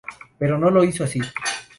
Pero no lo hizo así.